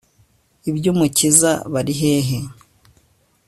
ibyUmukiza bari hehe